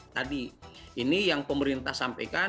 tadi ini yang pemerintah sampaikan